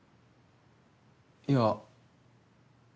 いや。